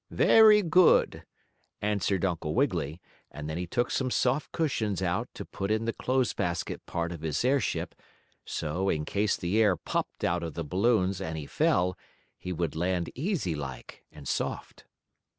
"Very good," answered Uncle Wiggily, and then he took some soft cushions out to put in the clothes basket part of his airship, so, in case the air popped out of the balloons, and he fell, he would land easy like, and soft.